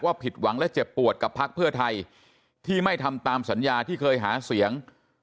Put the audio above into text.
ผิดหวังและเจ็บปวดกับพักเพื่อไทยที่ไม่ทำตามสัญญาที่เคยหาเสียง